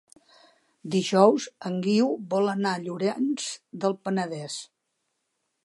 Dijous en Guiu vol anar a Llorenç del Penedès.